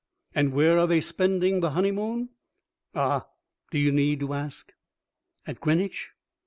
And where are they spending the honeymoon? Ah, do you need to ask? "At Greenwich?"